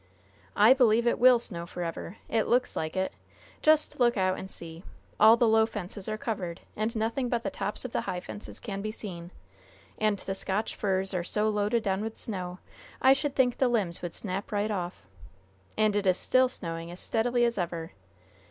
"I believe it will snow forever! It looks like it. Just look out and see! All the low fences are covered, and nothing but the tops of the high fences can be seen, and the Scotch firs are so loaded down with snow I should think the limbs would snap right off! And it is still snowing as steadily as ever!